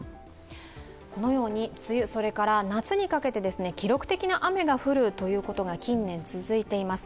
このように梅雨、それから夏にかけて記録的な雨が降ることが近年続いています。